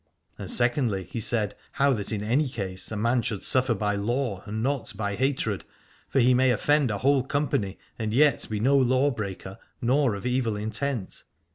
And secondly, he said how that in any case a man should suffer by law and not by hatred : for he may offend a whole company and yet be no law breaker, nor of evil intent.